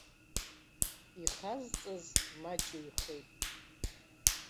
Ихазҵаз маҷыҩхеит.